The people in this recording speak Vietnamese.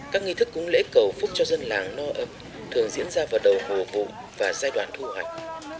các nghi thức cúng lễ cầu phúc cho dân làng no ấm thường diễn ra vào đầu mùa vụ và giai đoạn thu hoạch